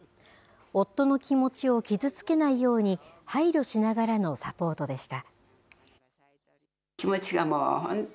夫の気持ちを傷つけないように、配慮しながらのサポートでした。